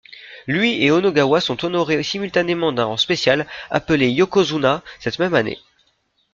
Lui et Onogawa sont honorés simultanément d'un rang spécial appelé yokozuna cette même année.